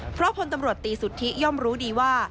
เพราะพลตำรวจตีสุทธิย่อมรู้ดีว่า